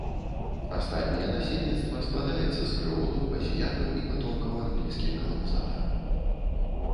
Астатняе насельніцтва складаецца з крэолаў, азіятаў і патомкаў англійскіх каланізатараў.